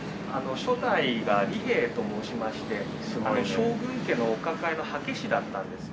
初代が利兵衛と申しまして将軍家のお抱えのはけ師だったんですよ。